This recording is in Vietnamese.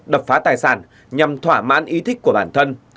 đập phá tài sản nhằm thỏa mãn ý thích của bản thân